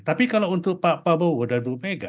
tapi kalau untuk pak prabowo dan bu mega